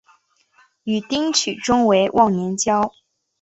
与丁取忠为忘年交。